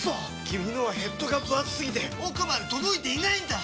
君のはヘッドがぶ厚すぎて奥まで届いていないんだっ！